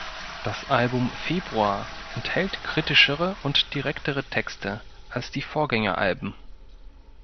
Das Album "Februar" enthält kritischere und direktere Texte als die Vorgängeralben.